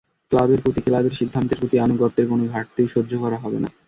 ক্লাবের প্রতি, ক্লাবের সিদ্ধান্তের প্রতি আনুগত্যের কোনো ঘাটতিও সহ্য করা হবে না।